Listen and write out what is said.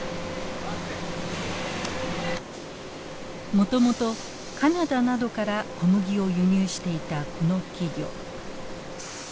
もともとカナダなどから小麦を輸入していたこの企業。